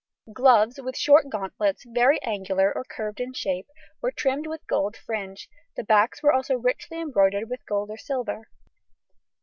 Gloves, with short gauntlets very angular or curved in shape, were trimmed with gold fringe; the backs were also richly embroidered with gold or silver.